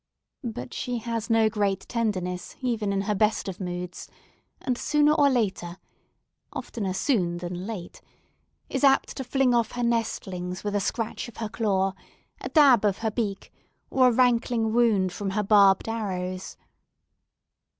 But she has no great tenderness even in her best of moods, and, sooner or later—oftener soon than late—is apt to fling off her nestlings with a scratch of her claw, a dab of her beak, or a rankling wound from her barbed arrows.